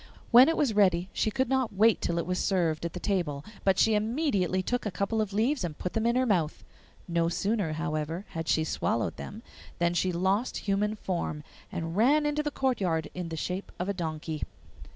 When it was ready she could not wait till it was served at the table, but she immediately took a couple of leaves and put them in her mouth. No sooner, however, had she swallowed them than she lost human form, and ran into the courtyard in the shape of a donkey.